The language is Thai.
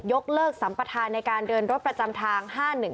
ยกเลิกสัมปัตภัณฑ์ในขณะเดินรถประจำทาง๕๑๕